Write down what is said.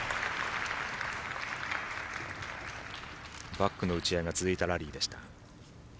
バックの打ち合いが続いたラリーでした。